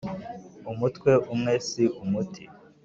umutwe umwe si umuti